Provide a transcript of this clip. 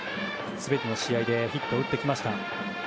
全ての試合でヒットを打ってきました。